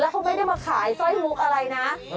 เขาไม่ได้มาขายสร้อยมุกอะไรนะ